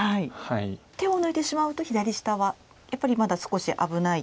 手を抜いてしまうと左下はやっぱりまだ少し危ないということでしたか。